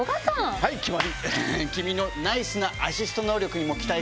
はい決まり。